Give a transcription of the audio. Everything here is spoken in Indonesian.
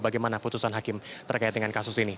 bagaimana putusan hakim terkait dengan kasus ini